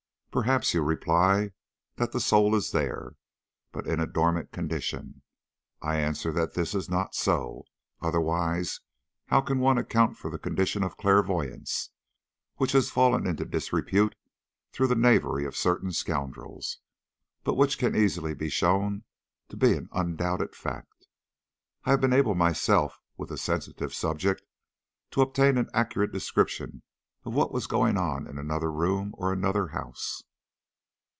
Perhaps you reply that the soul is there, but in a dormant condition. I answer that this is not so, otherwise how can one account for the condition of clairvoyance, which has fallen into disrepute through the knavery of certain scoundrels, but which can easily be shown to be an undoubted fact. I have been able myself, with a sensitive subject, to obtain an accurate description of what was going on in another room or another house.